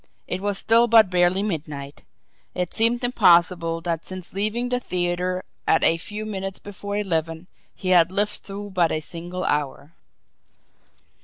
It was still but barely midnight! It seemed impossible that since leaving the theatre at a few minutes before eleven, he had lived through but a single hour!